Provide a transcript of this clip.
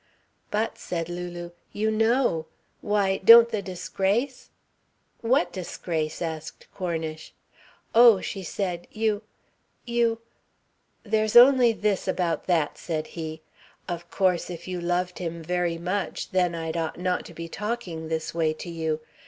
"But," said Lulu. "You know! Why, don't the disgrace " "What disgrace?" asked Cornish. "Oh," she said, "you you " "There's only this about that," said he. "Of course, if you loved him very much, then I'd ought not to be talking this way to you.